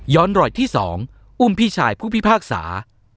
รอยที่๒อุ้มพี่ชายผู้พิพากษา